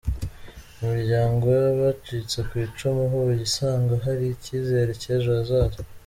Imiryango yabacitse kwicumu ihuye isanga hari icyizere cy’ejo hazaza